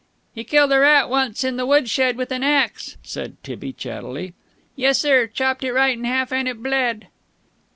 "He killed a rat once in the wood shed with an axe," said Tibby chattily. "Yessir! Chopped it right in half, and it bled!"